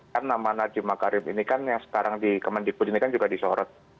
kan nama nadiem makarim ini kan yang sekarang di kemendikbud ini kan juga disorot